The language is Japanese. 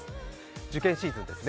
受験シーズンですね。